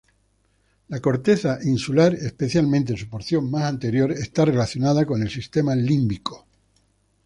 La corteza insular, especialmente su porción más anterior, está relacionada con el sistema límbico.